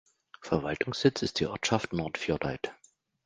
Verwaltungssitz ist die Ortschaft Nordfjordeid.